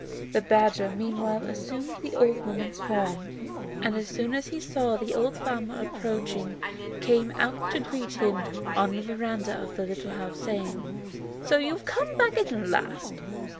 The badger meanwhile assumed the old woman's form, and as soon as he saw the old farmer approaching came out to greet him on the veranda of the little house, saying: "So you have come back at last.